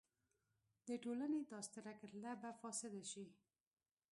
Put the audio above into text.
د ټولنې دا ستره کتله به فاسده شي.